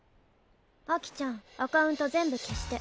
アキちゃんアカウント全部消して。